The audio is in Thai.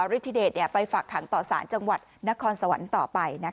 ฤทธิเดชไปฝากขังต่อสารจังหวัดนครสวรรค์ต่อไป